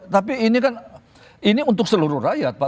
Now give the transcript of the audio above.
tapi ini kan ini untuk seluruh rakyat pak